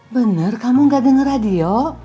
bener kamu gak denger radio